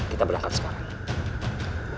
kita berangkat sekarang